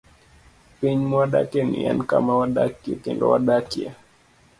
Piny mwadakieni en kama wadakie kendo wadakie.